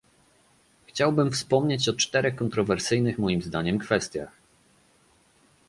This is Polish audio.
Chciałbym wspomnieć o czterech kontrowersyjnych moim zdaniem kwestiach